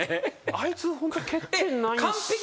あいつホント欠点ない。